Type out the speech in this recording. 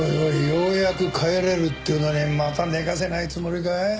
ようやく帰れるっていうのにまた寝かせないつもりかい？